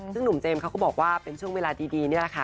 ซึ่งหนุ่มเจมส์เขาก็บอกว่าเป็นช่วงเวลาดีนี่แหละค่ะ